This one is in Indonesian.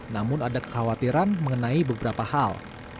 namun ada kekhawatiran mengenai beberapa hal